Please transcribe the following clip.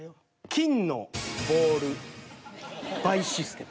金のボール倍システム。